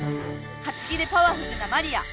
「『か』ち気でパワフルなマリ『ア』」！